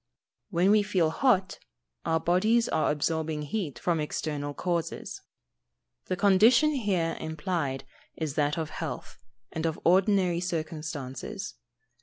_ When we feel hot, our bodies are absorbing heat from external causes. The condition here implied is that of health, and of ordinary circumstances.